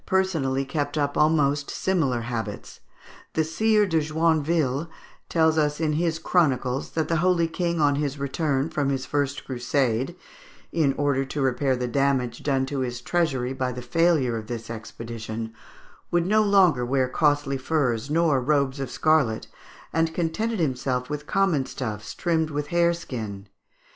personally kept up almost similar habits. The Sire de Joinville tells us in his "Chronicles," that the holy King on his return from his first crusade, in order to repair the damage done to his treasury by the failure of this expedition, would no longer wear costly furs nor robes of scarlet, and contented himself with common stuffs trimmed with hare skin.